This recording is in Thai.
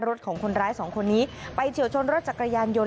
ของคนร้ายสองคนนี้ไปเฉียวชนรถจักรยานยนต